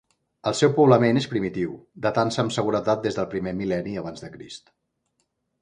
El seu poblament és primitiu, datant-se amb seguretat des del primer mil·lenni abans de Crist.